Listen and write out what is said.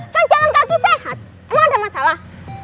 kan jalan kaki sehat emang ada masalah